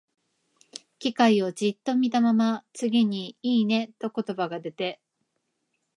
機械をじっと見たまま、次に、「いいね」と言葉が出て、